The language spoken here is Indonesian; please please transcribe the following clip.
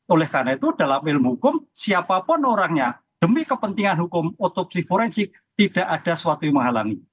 oleh karena itu dalam ilmu hukum siapapun orangnya demi kepentingan hukum otopsi forensik tidak ada sesuatu yang menghalangi